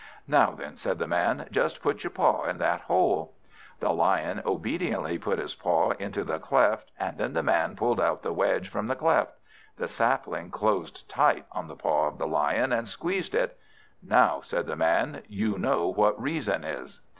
"Now then," said the Man, "just put your paw in that hole." The Lion obediently put his paw into the cleft, and then the Man pulled out the wedge from the cleft. The sapling closed tight on the paw of the Lion, and squeezed it. "Now," said the Man, "you know what reason is."